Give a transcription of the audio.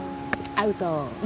アウトー。